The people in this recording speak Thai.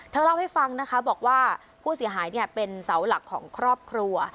เล่าให้ฟังนะคะบอกว่าผู้เสียหายเป็นเสาหลักของครอบครัว